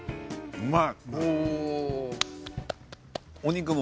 うまい。